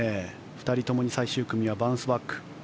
２人とも最終組はバウンスバック。